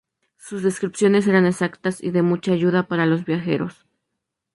Sus descripciones eran exactas y de mucha ayuda para los viajeros.